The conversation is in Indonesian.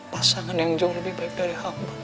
pasangan yang jauh lebih baik dari hamba